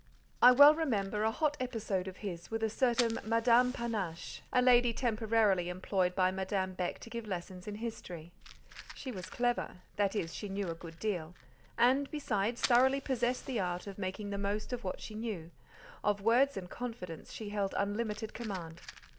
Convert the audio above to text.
I well remember a hot episode of his with a certain Madame Panache—a lady temporarily employed by Madame Beck to give lessons in history. She was clever—that is, she knew a good deal; and, besides, thoroughly possessed the art of making the most of what she knew; of words and confidence she held unlimited command.